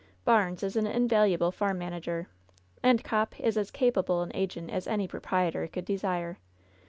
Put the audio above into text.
Barnes is an invaluable farm manager, and Copp is as capable an agent as any proprietor could desire.